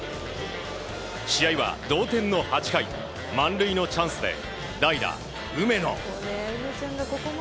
試合は同点の８回満塁のチャンスで代打、梅野。